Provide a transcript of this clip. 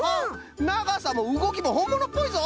ながさもうごきもほんものっぽいぞ！